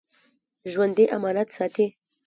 ژوندي امانت ساتي